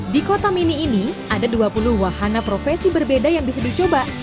di kota mini ini ada dua puluh wahana profesi berbeda yang bisa dicoba